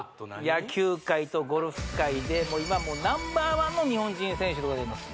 野球界とゴルフ界でもう今Ｎｏ．１の日本人選手でございます